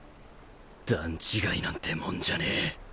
段違いなんてもんじゃねえ